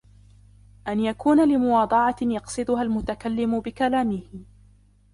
أَنْ يَكُونَ لِمُوَاضَعَةٍ يَقْصِدُهَا الْمُتَكَلِّمُ بِكَلَامِهِ